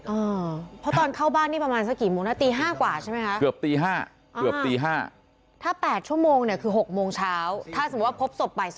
เพราะตอนเข้าบ้านนี่ประมาณสักกี่โมงนะตี๕กว่าใช่ไหมคะ